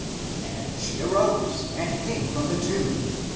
" And she arose and came from the tomb.